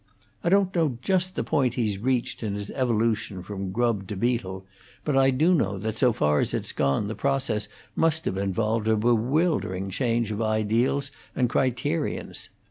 I don't know just the point he's reached in his evolution from grub to beetle, but I do know that so far as it's gone the process must have involved a bewildering change of ideals and criterions.